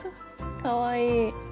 かわいい。